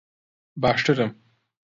باشترم.